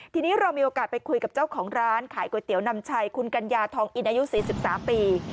ทีนี้เรามีโอกาสไปคุยกับเจ้าของร้านขายก๋วยเตี๋ยวนำชัยคุณกัญญาทองอินอายุ๔๓ปี